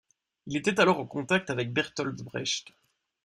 Il était alors en contact avec Bertolt Brecht.